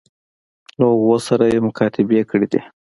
له هغوی سره یې مکاتبې کړي دي.